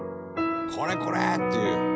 「これこれ！っていう。